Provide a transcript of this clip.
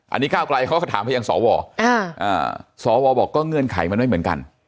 อันนี้ก้าวไกลเขาก็ถามไปยังสวสวบอกก็เงื่อนไขมันไม่เหมือนกัน